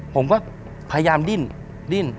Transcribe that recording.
ผมก็พยายามดิ้นดิ้น